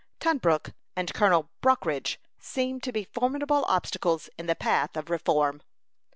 Tunbrook and Colonel Brockridge seemed to be formidable obstacles in the path of reform.